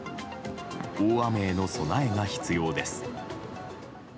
大雨への備えが必要です。